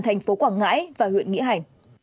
thành phố quảng ngãi và huyện nghĩa hành